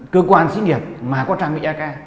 cơ quan xí nghiệp mà có trang bị ak